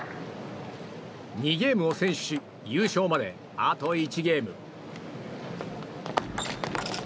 ２ゲームを先取し優勝まであと１ゲーム。